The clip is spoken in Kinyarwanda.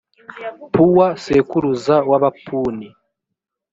puwa sekuruza w’abapuni.